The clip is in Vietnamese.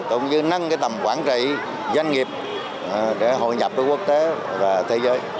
cũng như nâng tầm quản trị doanh nghiệp để hội nhập với quốc tế và thế giới